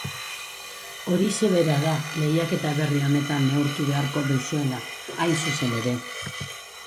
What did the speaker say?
Horixe bera da lehiaketa berri honetan neurtu beharko duzuena, hain zuzen ere.